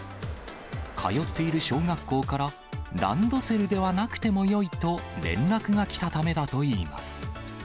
通っている小学校から、ランドセルではなくてもよいと連絡が来たためだといいます。